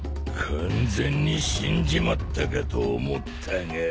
完全に死んじまったかと思ったが。